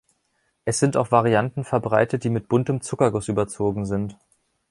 Es sind auch Varianten verbreitet, die mit buntem Zuckerguss überzogen sind.